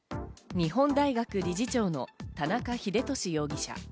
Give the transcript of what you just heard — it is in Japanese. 日本大学理事長の田中英壽容疑者。